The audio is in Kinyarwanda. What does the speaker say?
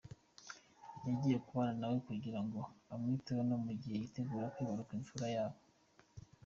Yagiye kubana na we kugira ngo amwiteho mu gihe yitegura kwibaruka imfura yabo.